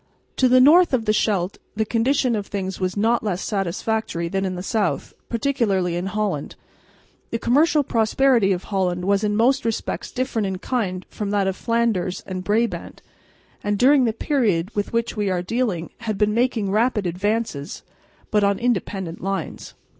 To the north of the Scheldt the condition of things was not less satisfactory than in the south, particularly in Holland. The commercial prosperity of Holland was in most respects different in kind from that of Flanders and Brabant, and during the period with which we are dealing had been making rapid advances, but on independent lines.